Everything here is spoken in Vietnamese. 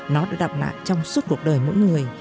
nó đã đọc lại trong suốt cuộc đời mỗi người